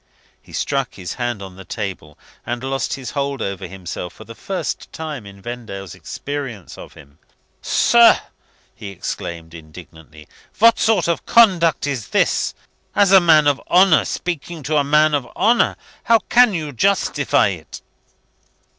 He struck his hand on the table, and lost his hold over himself for the first time in Vendale's experience of him. "Sir!" he exclaimed, indignantly, "what sort of conduct is this? As a man of honour, speaking to a man of honour, how can you justify it?"